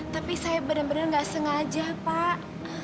tapi saya benar benar nggak sengaja pak